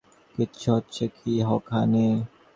কীহ, হচ্ছেটা কী ওখানে?